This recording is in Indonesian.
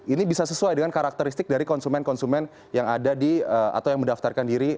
ini bisa sesuai dengan karakteristik dari konsumen konsumen yang ada di atau yang mendaftarkan diri